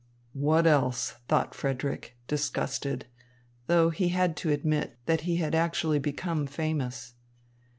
"What else?" thought Frederick, disgusted, though he had to admit that he had actually become famous.